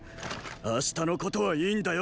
明日のことはいいんだよ！